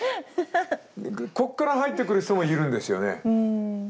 こっから入ってくる人もいるんですよね。